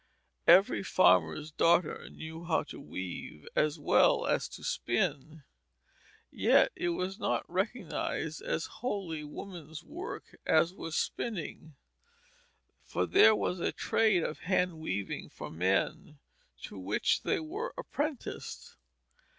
Every farmer's daughter knew how to weave as well as to spin, yet it was not recognized as wholly woman's work as was spinning; for there was a trade of hand weaving for men, to which they were apprenticed.